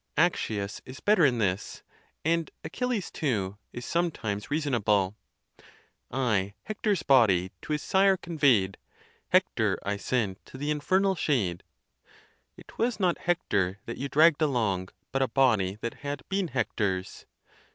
Accius is better in this, and Achilles, too, is sometimes reasonable : I Hector's body to his sire convey'd, Hector I sent to the infernal shade. It was not Hector that you dragged along, but a body that had been Hector's.